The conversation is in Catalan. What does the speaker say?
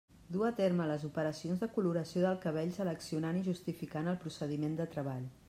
Du a terme les operacions de coloració del cabell seleccionant i justificant el procediment de treball.